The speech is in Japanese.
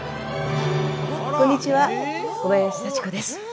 こんにちは小林幸子です。